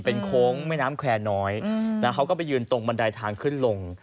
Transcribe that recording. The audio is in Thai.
เป็นโค้งแม่น้ำแควร์น้อยเขาก็ไปยืนตรงบันไดทางขึ้นลง